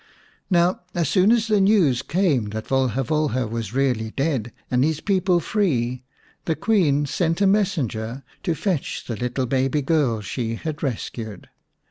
Now, as soon as the news came that Volha Volha was really dead and his people free, the Queen sent a messenger to fetch the little baby girl she had rescued.